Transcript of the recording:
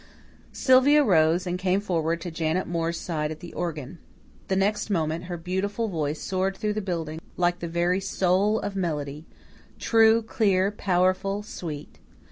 Sylvia rose and came forward to Janet Moore's side at the organ. The next moment her beautiful voice soared through the building like the very soul of melody true, clear, powerful, sweet.